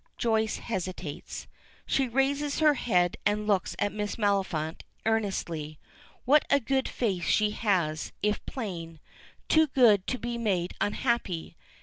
Joyce hesitates. She raises her head and looks at Miss Maliphant earnestly. What a good face she has, if plain. Too good to be made unhappy.